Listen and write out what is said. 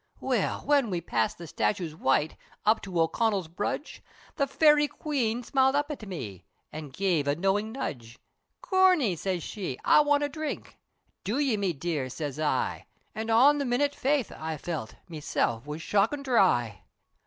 Well, whin we passed the statutes white, Up to O'Connell Brudge, The Fairy Queen smiled up at me, An' gev a knowin' nudge, "Corney!" siz she, "I want a dhrink!" "Do ye me dear?" siz I, An' on the minute faith I felt, Meself was shockin' dhry.